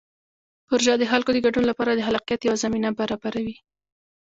پروژه د خلکو د ګډون لپاره د خلاقیت یوه زمینه برابروي.